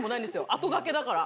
あとがけだから。